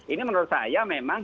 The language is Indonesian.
ini menurut saya memang